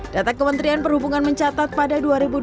data kementerian perhubungan mencatat pada dua ribu dua puluh